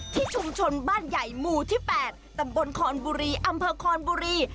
ที่ชุมชนบ้านใหญ่หมู่ที่๘ตำบลคอนบุรีอำเภอคอนบุรี